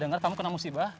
ga kepada aku lah